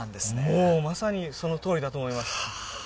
もうまさにそのとおりだと思います